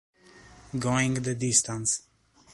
Going the Distance